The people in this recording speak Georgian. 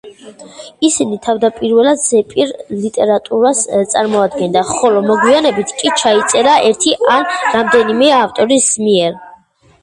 ისინი თავდაპირველად ზეპირ ლიტერატურას წარმოადგენდნენ, ხოლო მოგვიანებით კი ჩაიწერა ერთი ან რამდენიმე ავტორის მიერ.